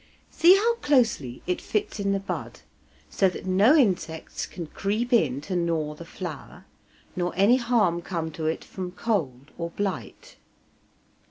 See how closely it fits in the bud, so that no insects can creep in to gnaw the flower, nor any harm come to it from cold or blight.